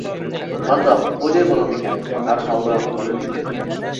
-قانداق بۇ جاي بولامدىكەن؟ -ھەر ھالدا بولىدىكەن.